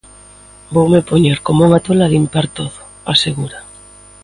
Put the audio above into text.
"Voume poñer como unha tola a limpar todo", asegura.